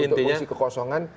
untuk posisi kekosongan